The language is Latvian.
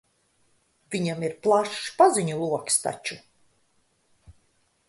Viņam ir plašs paziņu loks taču.